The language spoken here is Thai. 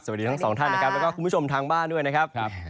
สวัสดีทั้งสองท่านนะครับแล้วก็คุณผู้ชมทางบ้านด้วยนะครับ